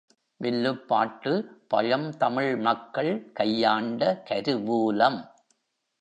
வில்லுப்பாட்டு பழந்தமிழ்மக்கள் கையாண்ட கருவூலம்.